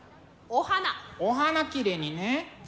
お花きれいにね。